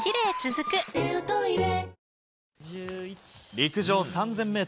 陸上３０００ｍ。